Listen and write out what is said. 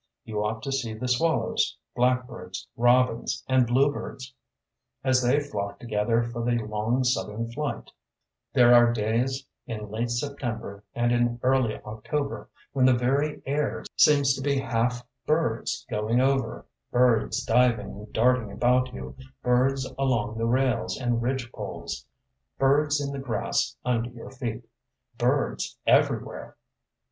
You ought to see the swallows, blackbirds, robins, and bluebirds, as they flock together for the long southern flight. There are days in late September and in early October when the very air seems to be half of birds, especially toward nightfall, if the sun sets full and clear: birds going over; birds diving and darting about you; birds along the rails and ridge poles; birds in the grass under your feet birds everywhere.